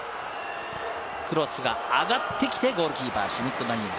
クロスが上がってきて、ゴールキーパー、シュミット・ダニエル。